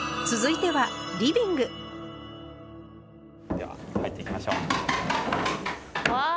では入っていきましょう。